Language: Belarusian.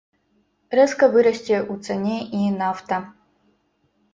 Рэзка вырасце ў цане і нафта.